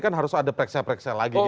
kan harus ada periksa periksa lagi